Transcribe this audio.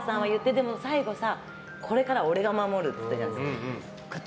でも最後、これから俺が守るって言ったじゃないですか。